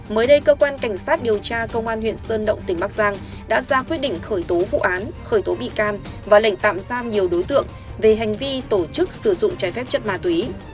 mới đây cơ quan cảnh sát điều tra công an huyện sơn động tỉnh bắc giang đã ra quyết định khởi tố vụ án khởi tố bị can và lệnh tạm giam nhiều đối tượng về hành vi tổ chức sử dụng trái phép chất ma túy